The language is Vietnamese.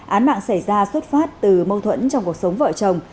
án mạng xảy ra xuất phát từ mâu thuẫn trong cuộc sống vợ chồng